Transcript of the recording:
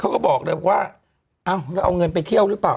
เขาก็บอกว่าเอาเงินไปเที่ยวหรือเปล่า